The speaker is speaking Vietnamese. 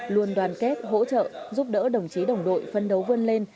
luôn đoàn kết hỗ trợ giúp đỡ đồng chí đồng đội phân đấu vươn lên